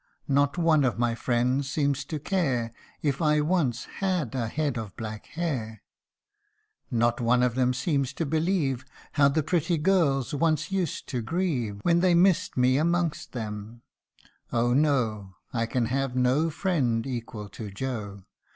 Not one of my friends seems to care If I once had a head of black hair Not one of them seems to believe How the pretty girls once used to grieve When they missed me amongst them, Oh ! no, I can have no friend equal to Joe!